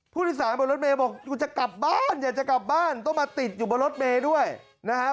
ผู้โดยสารบนรถเมย์บอกอยากจะกลับบ้านอยากจะกลับบ้านต้องมาติดอยู่บนรถเมย์ด้วยนะครับ